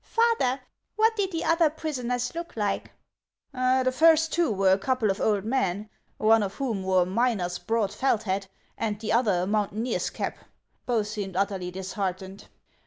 " Father, what did the other prisoners look like ?"" The first two were a couple of old men, one of whom wore a miner's broad felt hat, and the other a moun taineer's cap ; both seemed utterly disheartened.